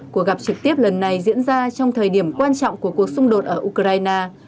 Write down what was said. cuộc gặp trực tiếp lần này diễn ra trong thời điểm quan trọng của cuộc xung đột ở ukraine